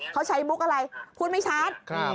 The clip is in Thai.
เขาใช้มุกอะไรพูดไม่ชัด